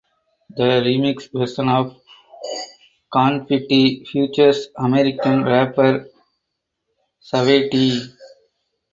The remix version of "Confetti" features American rapper Saweetie.